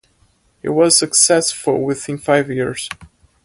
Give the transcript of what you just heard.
He was successful within five years.